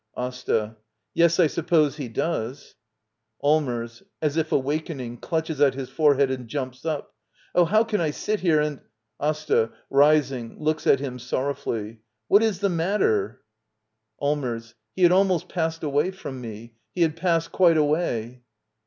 AsTA. Yes, I suppose he does. Allmers. [As if awakening, clutches at his forehead and jumps up.] Oh, how can I sit here and — AsTA. [Rising, looks at him sorrowfully.] What is the matter? 55 d by Google LITTLE EYOLF ^ Act ii. Allmers. He had almost passed away from me. He had passed quite away.